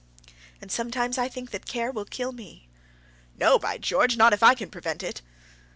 "And sometimes I think that care will kill me." "No, by George; not if I can prevent it."